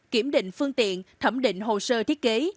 kiểm định phương tiện thẩm định hồ sơ thiết kế